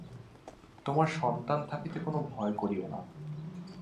তোমার সন্তান থাকিতে কোন ভয় করিও না!